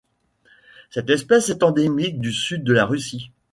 Cette espèce est endémique du Sud de la Russie.